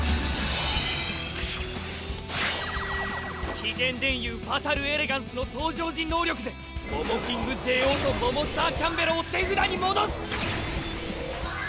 飢限電融ファタル・エレガンスの登場時能力でモモキングＪＯとモモスターキャンベロを手札に戻す！